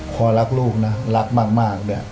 พอรักลูกนะรักมาก